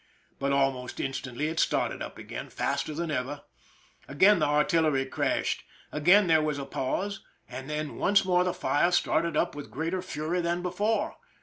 But almost instantly it started up again, faster than ever. Again the artillery crashed. Again there was a pause, and then once more the fire started up with greater fury than before.